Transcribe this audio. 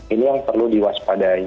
ini yang perlu diwaspadai